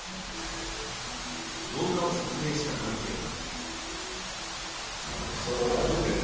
動画を撮影した男性は。